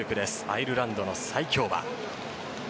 アイルランドの最強馬。